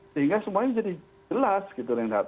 sehingga semuanya jadi jelas gitu renhard